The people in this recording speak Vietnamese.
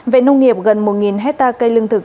vệ nông nghiệp gần một hectare cây lương thực